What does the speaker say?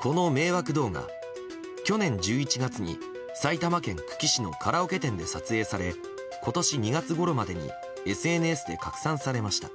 この迷惑動画、去年１１月に埼玉県久喜市のカラオケ店で撮影され今年２月ごろまでにＳＮＳで拡散されました。